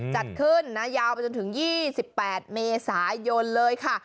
จัดขึ้นนะยาวไปจนถึง๒๘เมษายนเลยค่ะ